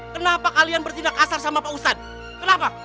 kenapa kalian bertindak asar sama pak ustadz kenapa